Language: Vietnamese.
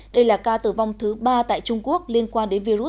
đây là ca tử vong thứ ba tại trung quốc liên quan đến virus corona